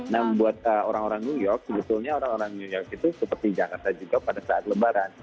nah buat orang orang new york sebetulnya orang orang new york itu seperti jakarta juga pada saat lebaran